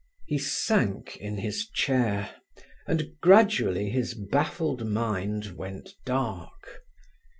He sank in his chair, and gradually his baffled mind went dark.